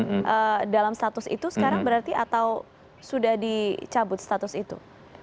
apakah dalam status itu sekarang berarti atau sudah dicabut status itu